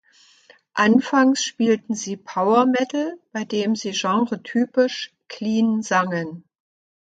Anfangs spielten sie Power Metal, bei dem sie genretypisch „clean“ sangen.